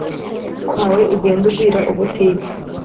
kwawe ugende ugwira ubutitsa.”